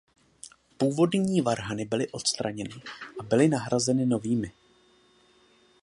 Původní varhany byly odstraněny a byly nahrazeny novými.